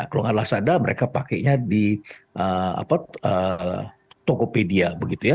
kalau nggak lazada mereka pakainya di tokopedia